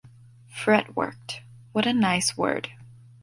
Fret-worked, what a nice word!